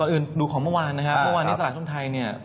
อื่นดูของเมื่อวานนะครับเมื่อวานนี้ตลาดทุนไทยเนี่ย